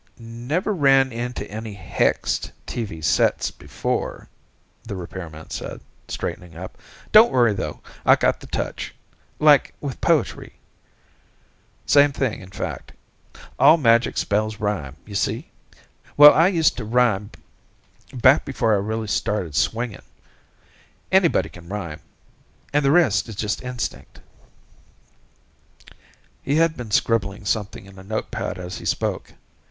"Never ran into any hexed TV sets before," the repairman said, straightening up. "Don't worry, though. I got the touch, like with poetry. Same thing, in fact. All magic spells rhyme, see? Well, I used to rhyme, back before I really started swinging. Anybody can rhyme. And the rest is just instinct." He had been scribbling something on a notepad, as he spoke.